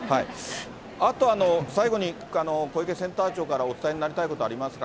あと、最後に小池センター長からお伝えになりたいことありますか？